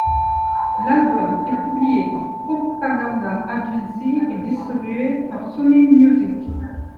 L'album est publié par Propaganda Agency et distribué par Sony Music.